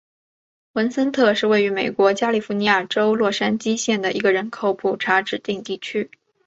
文森特是位于美国加利福尼亚州洛杉矶县的一个人口普查指定地区。